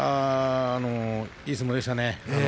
いい相撲でしたね。